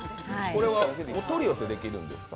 これは、お取り寄せできるんですか？